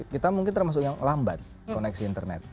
kita mungkin termasuk yang lambat koneksi internet